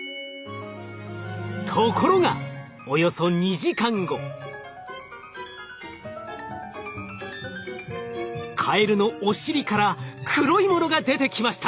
ところがおよそカエルのお尻から黒いものが出てきました！